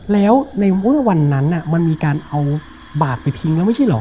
แล้วในเมื่อวันนั้นมันมีการเอาบาดไปทิ้งแล้วไม่ใช่เหรอ